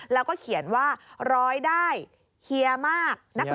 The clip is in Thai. แล้วก็เขียนว่าร้อยได้เฮียมากนะคะ